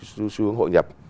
xu hướng hội nhập